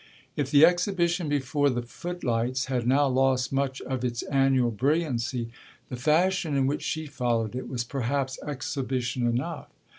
If the exhibition before the footlights had now lost much of its annual brilliancy the fashion in which she followed it was perhaps exhibition enough.